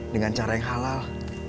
dengan cara yang halal